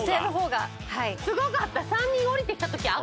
すごかった！